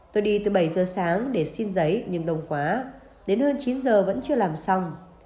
tôi đi từ bảy giờ sáng để xin giấy nhưng đông quá đến hơn chín giờ vẫn chưa làm xong